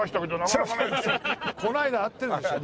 この間会ってるでしょ。